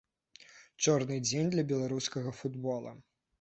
Чорны дзень для беларускага футбола.